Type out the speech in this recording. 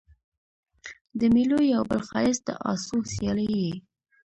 د مېلو یو بل ښایست د آسو سیالي يي.